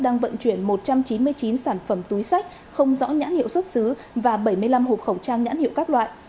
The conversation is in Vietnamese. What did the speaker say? đang vận chuyển một trăm chín mươi chín sản phẩm túi sách không rõ nhãn hiệu xuất xứ và bảy mươi năm hộp khẩu trang nhãn hiệu các loại